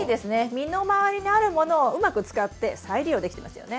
身の回りにあるものをうまく使って再利用できてますよね。